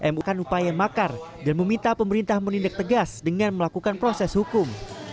mui akan upaya makar dan meminta pemerintah menindek tegas dengan melakukan proses hukum